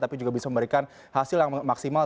tapi juga bisa memberikan hasil yang maksimal